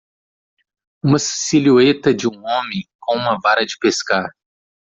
Uma silhueta de um homem com uma vara de pescar.